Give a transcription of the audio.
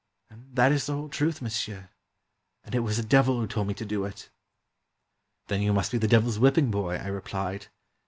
And that is the whole truth, monsieur, and it was the Devil who told me to do it. ..." "Then you must be the Devil's whipping boy," I replied.